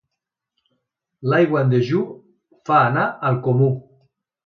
L'aigua en dejú fa anar al comú.